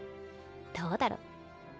どうだろ。